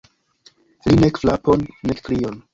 Li: nek frapon, nek krion.